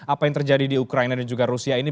apa yang terjadi di ukraina dan juga rusia ini